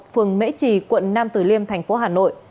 phường mễ trì quận nam tử liêm thành phố hà nội